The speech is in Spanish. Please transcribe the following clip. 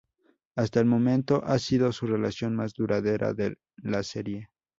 Hasta el momento ha sido su relación más duradera en la serie.